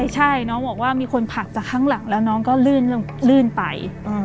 ใช่น้องบอกว่ามีคนผลักจากข้างหลังแล้วน้องก็ลื่นไป